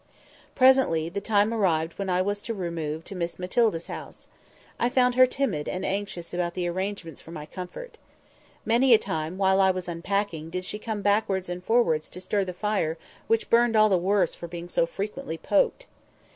Presently, the time arrived when I was to remove to Miss Matilda's house. I found her timid and anxious about the arrangements for my comfort. Many a time, while I was unpacking, did she come backwards and forwards to stir the fire which burned all the worse for being so frequently poked.